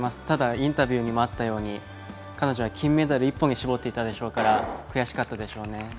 ただ、インタビューにもあったように彼女は金メダル１本に絞っていたでしょうから悔しかったでしょうね。